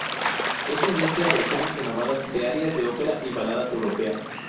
Este mezcla versiones renovadas de arias de ópera y baladas europeas.